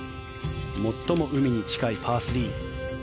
最も海に近いパー３。